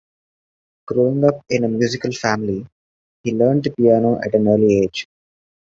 Growing up in a musical family, he learned the piano at an early age.